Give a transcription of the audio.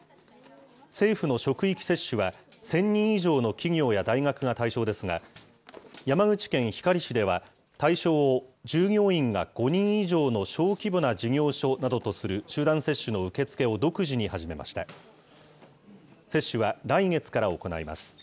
政府の職域接種は、１０００人以上の企業や大学が対象ですが、山口県光市では、対象を従業員が５人以上の小規模な事業所などとする集団接種の受け付けを独自に始めました。